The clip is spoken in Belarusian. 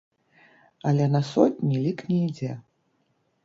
Але на сотні лік не ідзе.